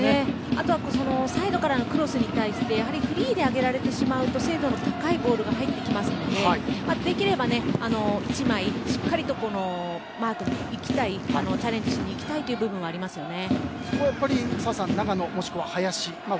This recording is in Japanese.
あとはサイドからのクロスに対してフリーで上げられてしまうと精度の高いボールが入ってくるのでできれば１枚しっかりとマークしてチャレンジしにいきたい部分はありますね。